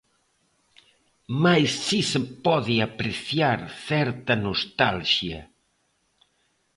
Mais si se pode apreciar certa nostalxia.